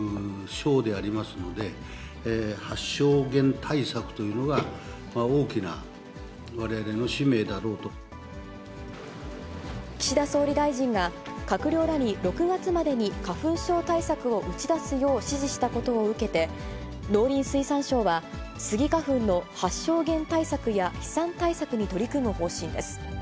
森を管轄している省でありますので、発生源対策というのが大岸田総理大臣が、閣僚らに６月までに花粉症対策を打ち出すよう指示したことを受けて、農林水産省は、スギ花粉の発生源対策や飛散対策に取り組む方針です。